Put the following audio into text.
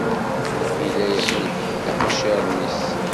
Yella yeqleb iqaciren-is.